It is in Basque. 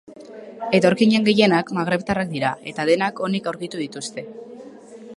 Etorkinen gehienak magrebtarrak dira eta denak onik aurkitu dituzte.